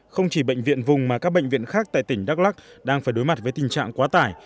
không chỉ bệnh viện vùng mà các bệnh viện khác tại tỉnh đắk lắc đang phải đối mặt với tình trạng quá tải